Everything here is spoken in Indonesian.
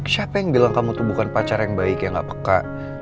siapa yang bilang kamu tuh bukan pacar yang baik yang gak peka